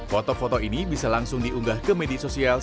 foto foto ini bisa langsung diunggah ke media sosial